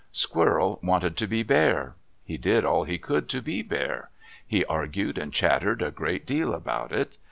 Squirrel wanted to be Bear. He did all he could to be Bear. He argued and chattered a great deal about it.